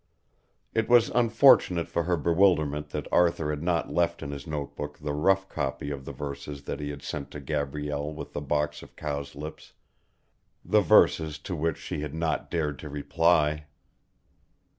It was unfortunate for her bewilderment that Arthur had not left in his notebook the rough copy of the verses that he had sent to Gabrielle with the box of cowslips, the verses to which she had not dared to reply.